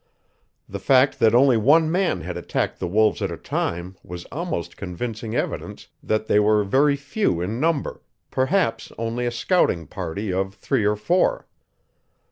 The fact that only one man had attacked the wolves at a time was almost convincing evidence that they were very few in number perhaps only a scouting party of three or four.